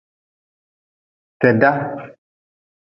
Keda.